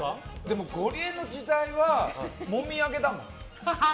ゴリエの時代はもみあげだもん。